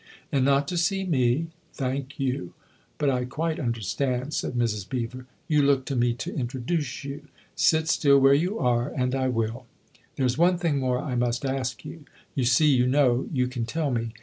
" And not to see me ? Thank you ! But I quite understand," said Mrs. Beever ;" you looked to me to introduce you. Sit still where you are, and I will." " There's one thing more I must ask you. You see; you know; you can tell me."